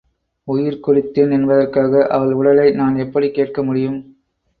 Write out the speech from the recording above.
உயிர் கொடுத்தேன் என்பதற்காக அவள் உடலை நான் எப்படிக் கேட்க முடியும்?